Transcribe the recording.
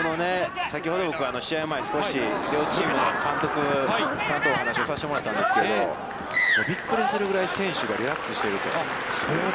そしてこの、先ほど僕、試合前少し両チームの監督さんとお話をさしてもらったんですけど、びっくりするぐらい選手がリラックスしていると。